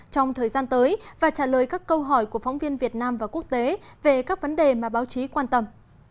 trong thời gian tới và trả lời các câu hỏi của phóng viên việt nam và quốc tế về các vấn đề mà báo chí quan tâm